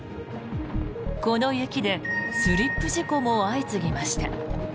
この雪でスリップ事故も相次ぎました。